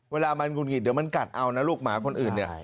เวลามันหุดหงิดเดี๋ยวมันกัดเอานะลูกหมาคนอื่นเนี่ย